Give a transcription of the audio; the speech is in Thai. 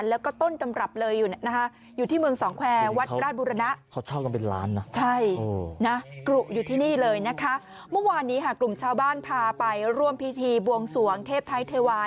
แล้วก็ต้นตำรับเลยอยู่นะคะอยู่ที่เมืองสองแควร์วัดราชบุรณะ